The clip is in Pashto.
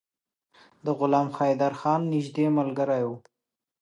د غلام حیدرخان نیژدې ملګری وو.